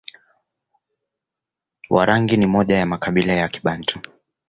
Warangi ni moja ya makabila ya Kibantu